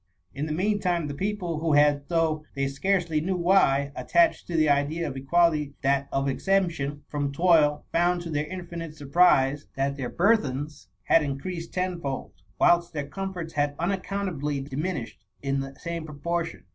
In the meantime, the people, who had, though they scarcely knew why, attached to the idea of equality that of exemption from toil, found to their infinite surprise, that their burthens had increased tenfold, whilst their comforts had unaccountably diminished in the same proportion.